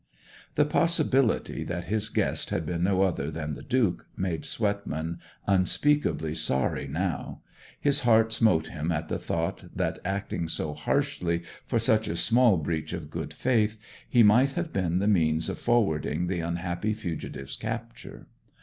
The possibility that his guest had been no other than the Duke made Swetman unspeakably sorry now; his heart smote him at the thought that, acting so harshly for such a small breach of good faith, he might have been the means of forwarding the unhappy fugitive's capture.